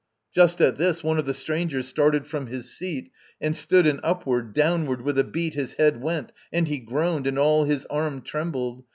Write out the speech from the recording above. Just at this One of the strangers started from his seat, And stood, and upward, downward, with a beat His head went, and he groaned, and all his arm Trembled.